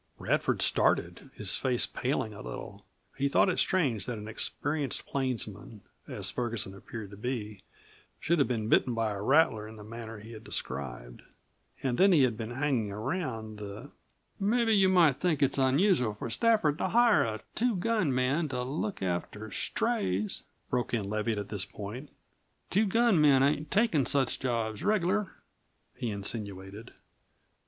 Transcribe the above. Radford started, his face paling a little. He had thought it strange that an experienced plainsman as Ferguson appeared to be should have been bitten by a rattler in the manner he had described. And then he had been hanging around the "Mebbe you might think it's onusual for Stafford to hire a two gun man to look after strays," broke in Leviatt at this point. "Two gun men ain't takin' such jobs regular," he insinuated.